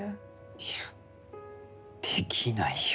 いやできないよ。